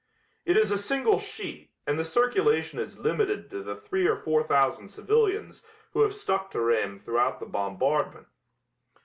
It is a single sheet and the circulation is limited to the three or four thousand civilians, who have stuck to Rheims throughout the bombardment.